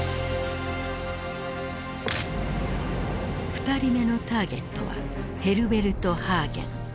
２人目のターゲットはヘルベルト・ハーゲン。